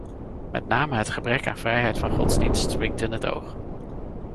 Met name het gebrek aan vrijheid van godsdienst springt in het oog.